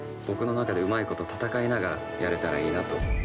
僕の中でうまいこと戦いながらやれたらいいなと。